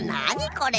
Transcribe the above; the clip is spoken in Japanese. これ。